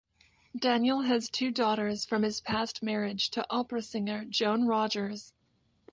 Daniel has two daughters from his past marriage to opera singer Joan Rodgers.